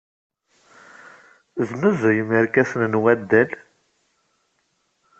Tesnuzuyem irkasen n waddal?